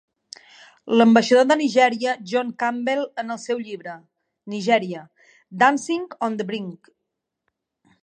L'ambaixador de Nigèria John Campbell en el seu llibre, Nigeria: Dancing on the Brink.